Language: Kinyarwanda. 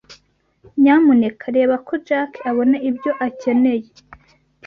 Nyamuneka reba ko Jack abona ibyo akeneye.